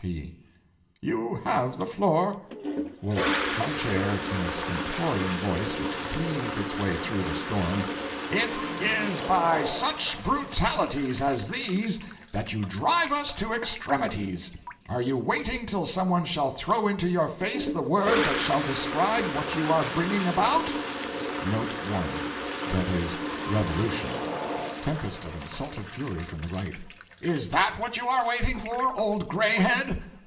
P. 'You have the floor.' Wolf (to the Chair, in a stentorian voice which cleaves its way through the storm). 'It is by such brutalities as these that you drive us to extremities! Are you waiting till someone shall throw into your face the word that shall describe what you are bringing about?(1) (Tempest of insulted fury from the Right.) Is that what you are waiting for, old Grayhead?'